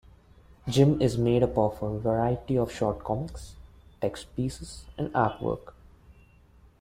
"Jim" is made up of a variety of short comics, text pieces, and artwork.